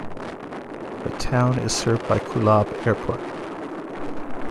The town is served by Kulob Airport.